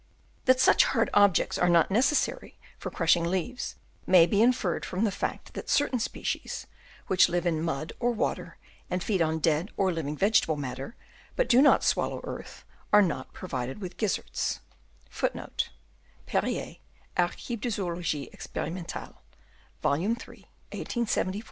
That such hard objects are not necessary for crushing leaves, may be inferred from the fact that certain species, which live in mud or water and feed on dead or living vegetable matter, but which do not swallow earth, are not provided with gizzards,* and therefore cannot have the power of utilising stones.